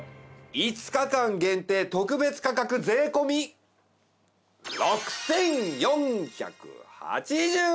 ５日間限定特別価格税込６４８０円です！